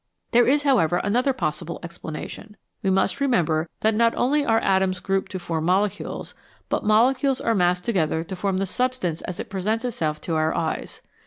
There is, however, another possible explanation. We must remember that not only are atoms grouped to form molecules, but molecules are massed together to form the substance as it presents itself to our eyes.